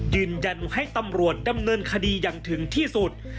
ยืนยันให้ตำรวจดำเนินคดีอย่างถึงที่สุด